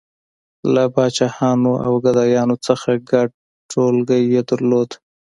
• له پاچاهانو او ګدایانو څخه ګډ ټولګی یې درلود.